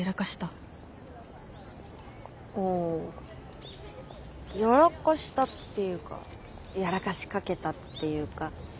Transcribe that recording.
あやらかしたっていうかやらかしかけたっていうか。